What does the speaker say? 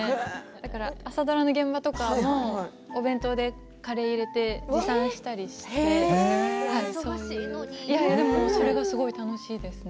だから朝ドラの現場とかにもお弁当でカレーを持参したりしてそれがすごい楽しいです。